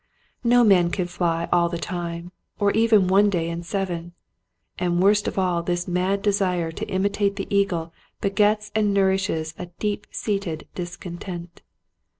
No man can fly all the time or even one day in seven. And worst of all this mad desire to imitate the eagle begets and nourishes a deep seated discontent.